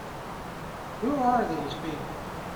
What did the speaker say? Who are these people?